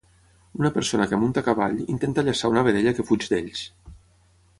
Una persona que munta a cavall, intenta llaçar una vedella que fuig d'ells.